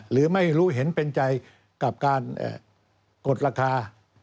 หรือไม่รู้เห็นเป็นใจกับการกดราคา